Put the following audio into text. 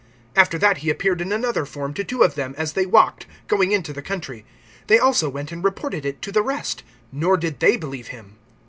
(12)After that he appeared in another form to two of them, as they walked, going into the country. (13)They also went and reported it to the rest; nor did they believe them.